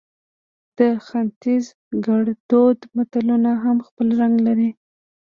د ختیز ګړدود متلونه هم خپل رنګ لري